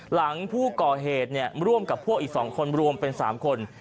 หลังผู้ก่อเหตุร่วมกับพวกอีก๒คนรวมเป็น๓คน